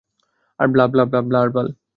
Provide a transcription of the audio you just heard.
আর blah, blah, blah আর বাল।